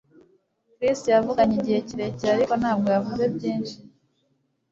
Chris yavuganye igihe kirekire ariko ntabwo yavuze byinshi